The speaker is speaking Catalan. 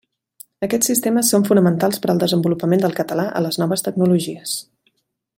Aquests sistemes són fonamentals per al desenvolupament del català a les noves tecnologies.